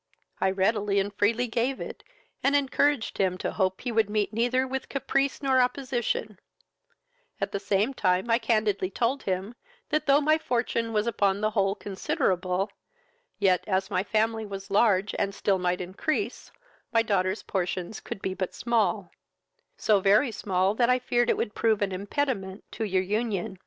I readily and freely gave it, and encouraged him to hope he would meet neither with caprice nor opposition; at the same time I candidly told him, that, though my fortune was upon the whole considerable, yet, as my family was large and still might increase, my daughter's portions could be but small, so very small, that I feared it would prove an impediment to your union.